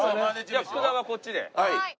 じゃあ福田はこっちで。